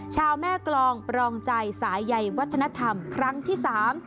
ชาวแม่กรองปรองใจสายใยวัฒนธรรมครั้งที่สาม